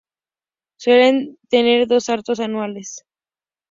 Suelen tener dos partos anuales.